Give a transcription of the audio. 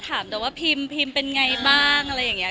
ถามแต่ว่าพิมพิมเป็นไงบ้างอะไรอย่างนี้